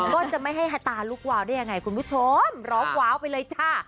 ก็จะไม่ให้ตาลุกวาวได้ยังไงคุณผู้ชมร้องว้าวไปเลยจ้า